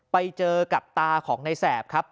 ไปเจอกับตาของในแสบครับ